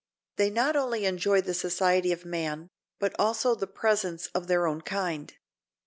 They not only enjoy the society of man, but also the presence of their own kind.